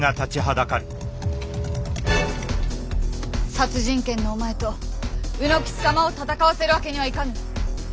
殺人剣のお前と卯之吉様を戦わせるわけにはいかぬ。